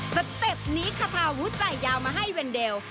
สเต็ปนี้ขาดทาวุใจยาวมาให้เว็นเดล